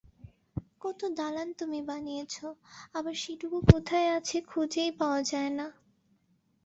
কত দালান তুমি বাড়িয়েছ, আমার সেটুকু কোথায় আছে খুঁজেই পাওয়া যায় না।